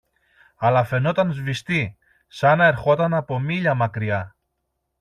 αλλά φαινόταν σβηστή, σαν να ερχόταν από μίλια μακριά